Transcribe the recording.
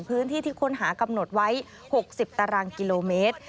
พื้นที่ที่ค้นหากำหนดไว้๖๐ตารางกิโลเมตร